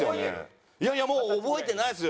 いやいやもう覚えてないですよ。